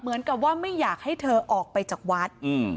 เหมือนกับว่าไม่อยากให้เธอออกไปจากวัด